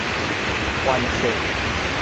反勢